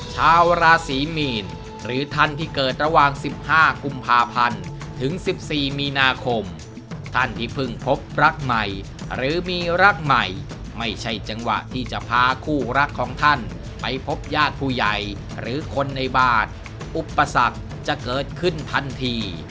ชาวราศีมีนหรือท่านที่เกิดระหว่าง๑๕กุมภาพันธ์ถึง๑๔มีนาคมท่านที่เพิ่งพบรักใหม่หรือมีรักใหม่ไม่ใช่จังหวะที่จะพาคู่รักของท่านไปพบญาติผู้ใหญ่หรือคนในบ้านอุปสรรคจะเกิดขึ้นทันที